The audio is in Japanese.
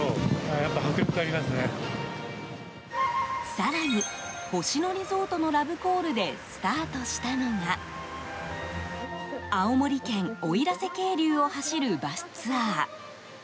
更に、星野リゾートのラブコールでスタートしたのが青森県奥入瀬渓流を走るバスツアー。